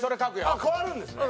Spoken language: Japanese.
あっ変わるんですね？